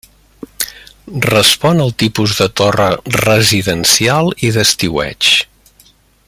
Respon al tipus de torre residencial i d'estiueig.